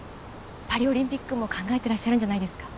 パリオリンピックも考えてらっしゃるんじゃないですか？